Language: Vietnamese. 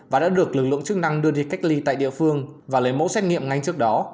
và đã được lực lượng chức năng đưa đi cách ly tại địa phương và lấy mẫu xét nghiệm ngay trước đó